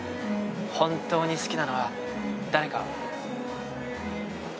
本当に好きなのは誰か。